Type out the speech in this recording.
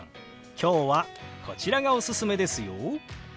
今日はこちらがおすすめですよ。